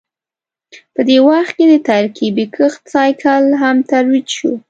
په دې وخت کې د ترکیبي کښت سایکل هم ترویج شو